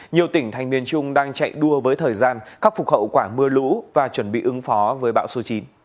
nhiều tỉnh thành miền trung đang chạy đua với thời gian khắc phục hậu quả mưa lũ và chuẩn bị ứng phó với bão số chín